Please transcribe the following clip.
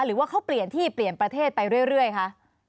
หรือว่าเขาเปลี่ยนที่เปลี่ยนประเทศไปเรื่อยคะ